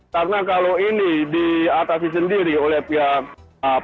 karena kalau ini diatasi sendiri oleh pihak